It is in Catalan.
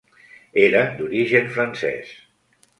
Era d'origen francès.